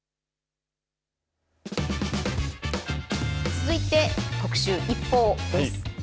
続いて、特集ＩＰＰＯＵです。